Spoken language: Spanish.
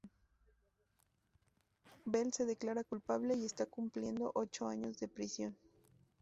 Bell se declara culpable y está cumpliendo ocho años de prisión.